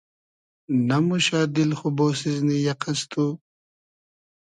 نئموشۂ دیل خو بۉسیزنی یئقئس تو؟